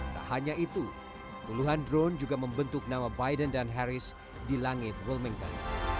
tak hanya itu puluhan drone juga membentuk nama biden dan harris di langit wilmington